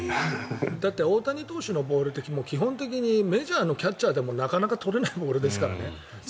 だって大谷投手のボールって基本的にメジャーのキャッチャーでもなかなかとれないボールですからね。